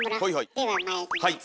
ではまいります。